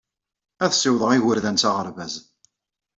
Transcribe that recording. Ad ssiwḍeɣ igerdan s aɣerbaz.